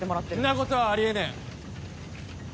んなこたああり得ねえ！